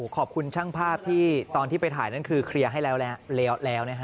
ขอบคุณช่างภาพที่ตอนที่ไปถ่ายนั่นคือเคลียร์ให้แล้วนะฮะ